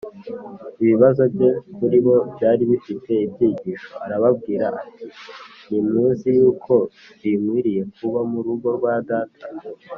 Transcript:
ibibazo bye kuribo byari bifite ibyigisho. Arababwira ati,‘‘ Ntimuzi yuko binkwiriye kuba mu rugo rwa Data ?’